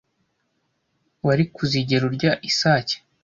Wari kuzigera urya isake?